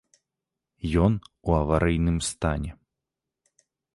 Ён у аварыйным стане.